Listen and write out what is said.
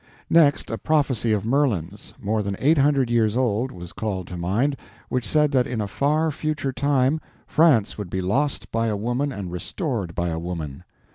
Next, a prophecy of Merlin's, more than eight hundred years old, was called to mind, which said that in a far future time France would be lost by a woman and restored by a woman.